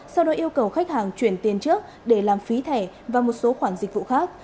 sau đó yêu cầu khách hàng chuyển tiền trước để làm phí thẻ và một số khoản dịch vụ khác